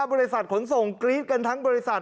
บริษัทขนส่งกรี๊ดกันทั้งบริษัท